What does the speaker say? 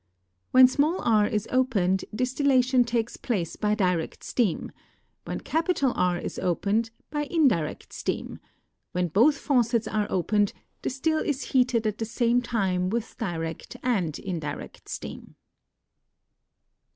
When r is opened, distillation takes place by direct steam; when R is opened, by indirect steam; when both faucets are opened, the still is heated at the same time with direct and indirect steam.